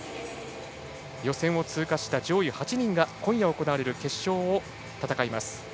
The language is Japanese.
予選を通過した上位８人が今夜行われる決勝を戦います。